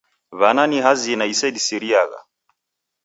W'ana ni hazina isedisiriagha.